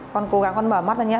con cố gắng con bảo mắt ra nhá